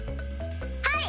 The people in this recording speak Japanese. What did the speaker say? はい！